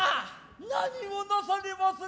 何をなされまする。